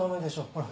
ほら。